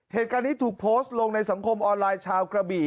เหตุการณ์นี้ถูกโพสต์ลงในสังคมออนไลน์ชาวกระบี่